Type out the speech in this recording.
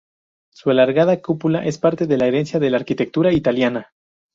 Su alargada cúpula es parte de la herencia de la arquitectura italiana.